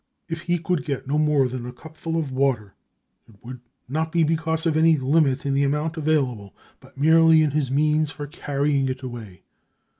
If he could get no more than a cupful of water, it would not be because of any limit in the amount available, but merely in his means for carrying it away.